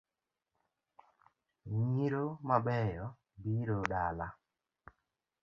Nyiro mabeyo biro dala